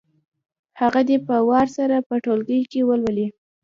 هغه دې په وار سره په ټولګي کې ولولي.